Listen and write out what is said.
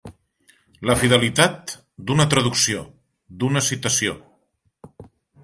La fidelitat d'una traducció, d'una citació.